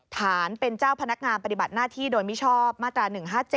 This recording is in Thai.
ฐานเป็นเจ้าพนักงานปฏิบัติหน้าที่โดยมิชอบมาตรา๑๕๗